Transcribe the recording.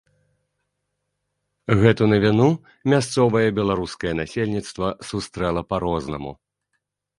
Гэту навіну мясцовае беларускае насельніцтва сустрэла па-рознаму.